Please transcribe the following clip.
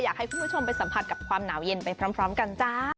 อยากให้คุณผู้ชมไปสัมผัสกับความหนาวเย็นไปพร้อมกันจ้า